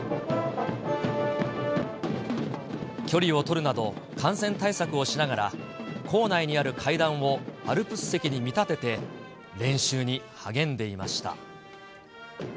距離を取るなど、感染対策をしながら校内にある階段をアルプス席に見立てて練習に励んでいました。